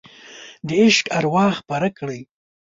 د عشق اروا خپره کړئ